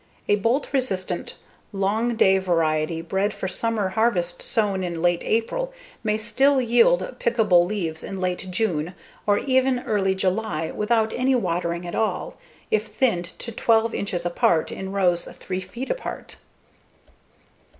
A bolt resistant, long day variety bred for summer harvest sown in late April may still yield pickable leaves in late June or even early July without any watering at all, if thinned to 12 inches apart in rows 3 feet apart.